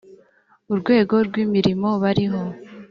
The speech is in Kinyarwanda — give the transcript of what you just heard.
urwego rw imirimo bariho